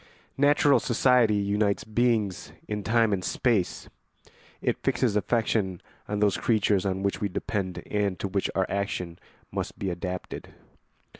] Natural society unites beings in time and space; it fixes affection on those creatures on which we depend and to which our action must be adapted.